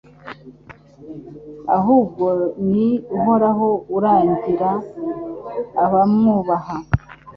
Ahubwo ni Uhoraho uragira abamwubaha